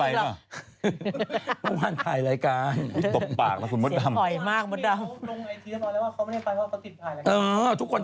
อีกแล้ว